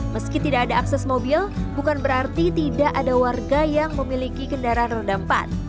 meski tidak ada akses mobil bukan berarti tidak ada warga yang memiliki kendaraan roda empat